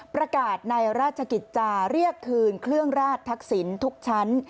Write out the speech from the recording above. ประกาศในราชกิจจาเรียกคืนเครื่องราชทักษิณทุกชั้น